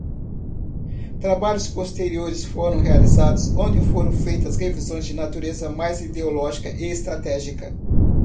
Trabalhos posteriores foram realizados onde foram feitas revisões de natureza mais ideológica e estratégica.